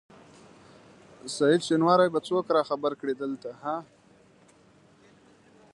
سعید شېنواری به څوک راخبر کړي دلته ها؟